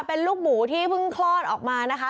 เป็นลูกหมูที่เพิ่งคลอดออกมานะคะ